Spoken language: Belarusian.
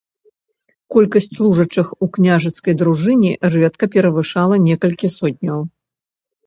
Колькасць служачых у княжацкай дружыне рэдка перавышала некалькі сотняў.